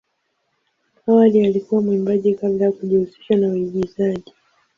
Awali alikuwa mwimbaji kabla ya kujihusisha na uigizaji.